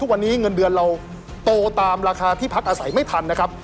เงินเดือนเราโตตามราคาที่พักอาศัยไม่ทันนะครับ